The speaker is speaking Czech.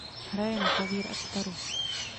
Hraje na klavír a kytaru.